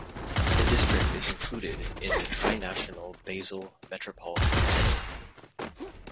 The district is included in the trinational Basel metropolitan area.